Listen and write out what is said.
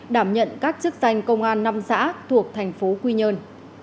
đảm nhận các chức danh công an năm xã thuộc thành phố quy nhơn